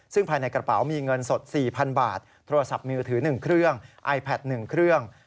ซึ่งภายในกระเป๋ามีเงินสด๔๐๐๐บาทโทรศัพท์มือถือ๑เครื่องไอแพท๑เครื่อง